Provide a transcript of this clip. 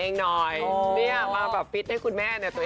เอ็นดูความตุงของแพมเปอร์ท